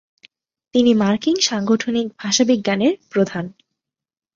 তিনি মার্কিন সাংগঠনিক ভাষাবিজ্ঞানের প্রধান।